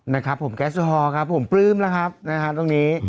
นะครับผมแก๊สทอฮอล์ครับผมปลื้มนะครับตรงนี้